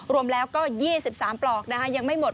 รวมแล้วก็๒๓ปลอกยังไม่หมด